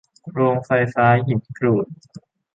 โรงไฟฟ้าหินกรูด